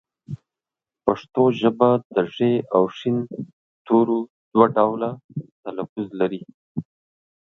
پښتو ژبه د ږ او ښ تورو دوه ډولونه تلفظ لري